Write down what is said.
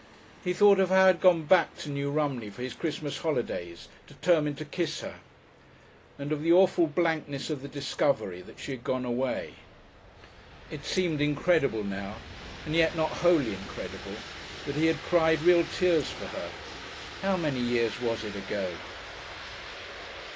He thought of how he had gone back to New Romney for his Christmas holidays, determined to kiss her, and of the awful blankness of the discovery that she had gone away. It seemed incredible now, and yet not wholly incredible, that he had cried real tears for her how many years was it ago?